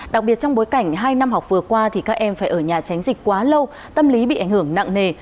đặc biệt trong bối cảnh hai năm học vừa qua thì các em phải ở nhà tránh dịch quá lâu tâm lý bị ảnh hưởng nặng nề